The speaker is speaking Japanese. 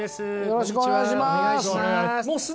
よろしくお願いします。